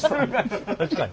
確かに。